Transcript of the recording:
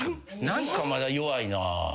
何かまだ弱いなぁ。